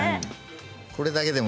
これだけでも